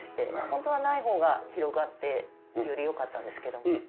本当はないほうが広がってよりよかったんですけども。